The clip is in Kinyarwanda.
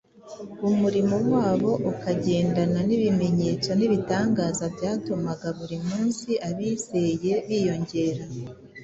umurimo wabo ukagendana n’ibimenyetso n’ibitangaza byatumaga buri munsi abizeye biyongera.